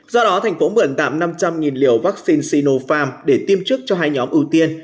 do đó thành phố mượn tạm năm trăm linh liều vaccine sinopharm để tiêm trước cho hai nhóm ưu tiên